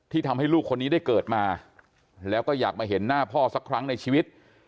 ทำให้ลูกคนนี้ได้เกิดมาแล้วก็อยากมาเห็นหน้าพ่อสักครั้งในชีวิต